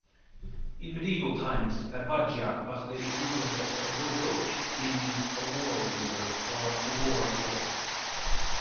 In medieval times, vajda was the equivalent of voivode, meaning a "war-leader" or "war-lord".